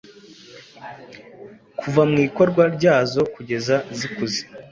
kuva mu ikorwa ryazo kugeza zikuze